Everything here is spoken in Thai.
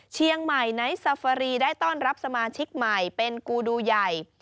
เชียงใหม่ไนท์ซาฟารีได้ต้อนรับสมาชิกใหม่เป็นกูดูใหญ่